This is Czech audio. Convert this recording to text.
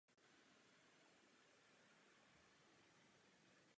Musíme být ambiciózní a požadovat ochranu všech druhů ohrožených vyhynutím.